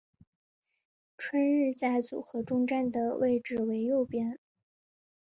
春日在组合中站的位置为右边。